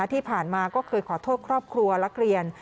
ที่ผ่านมาก็เคยขอโทษครอบครัวและนักเรียน